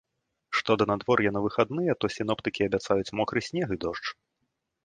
Што да надвор'я на выхадныя, то сіноптыкі абяцаюць мокры снег і дождж.